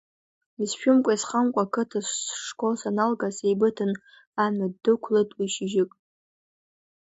Исшәымкәа-исхамкәа ақыҭа школ саналга, сеибыҭан амҩа дықәлеит уи шьыжьык.